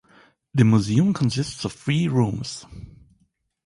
The museum consists of three rooms.